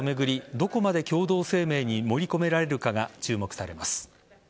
どこまで共同声明に盛り込められるかが注目されます。